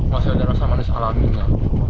masih ada rasa manis alaminya